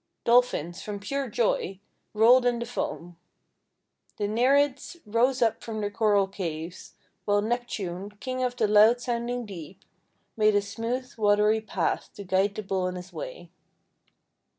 Dolphins, from pure joy, rolled in the foam. The Nereids rose up from their coral caves; while Neptune, King of the loud sounding Deep, made a smooth, watery path to guide the Bull on his way.